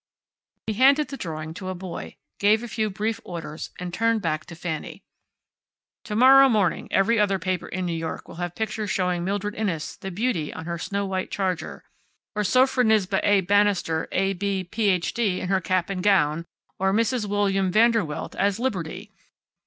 He handed the drawing to a boy, gave a few brief orders, and turned back to Fanny. "To morrow morning every other paper in New York will have pictures showing Mildred Inness, the beauty, on her snow white charger, or Sophronisba A. Bannister, A.B., Ph.D., in her cap and gown, or Mrs. William Van der Welt as Liberty.